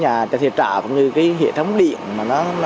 nhà trợ thiệt trợ hệ thống điện phát an